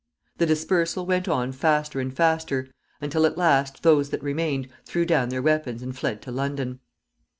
The dispersal went on faster and faster, until at last those that remained threw down their weapons and fled to London.